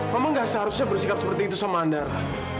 mama gak seharusnya bersikap seperti itu sama andara